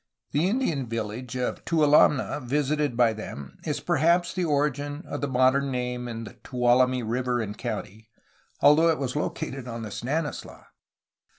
The Indian village of Tualamne, visited by them, is perhaps the origin of the modern name in Tuolumne River and County, al though it was located on the Stanislaus.